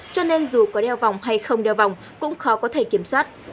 cho nên dù có đeo vòng hay không đeo vòng cũng khó có thể kiểm soát